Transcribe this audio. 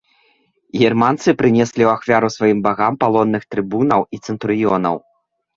Германцы прынеслі ў ахвяру сваім багам палонных трыбунаў і цэнтурыёнаў.